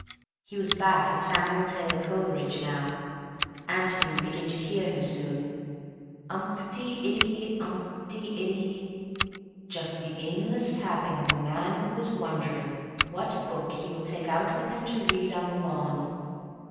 He was back at Samuel Taylor Coleridge now. Antony would begin to hear him soon. Umpt y iddy umpt y iddy; just the aimless tapping of a man who is wondering what book he will take out with him to read on the lawn.